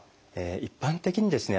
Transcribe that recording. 一般的にですね